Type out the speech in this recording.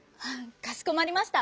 かしこまりました！